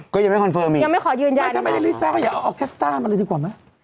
ก็ยังไม่คอร์เฟิร์มอีกไม่ได้รีซ่าว่าอย่าเอาออกแคสต้ามาเลยดีกว่าไหม